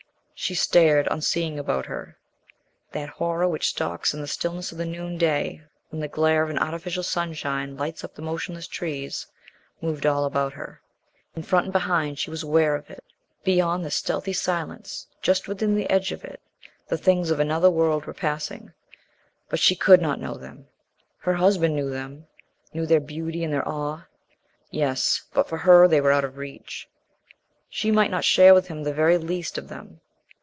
She stared, unseeing, about her. That horror which stalks in the stillness of the noonday, when the glare of an artificial sunshine lights up the motionless trees, moved all about her. In front and behind she was aware of it. Beyond this stealthy silence, just within the edge of it, the things of another world were passing. But she could not know them. Her husband knew them, knew their beauty and their awe, yes, but for her they were out of reach. She might not share with him the very least of them.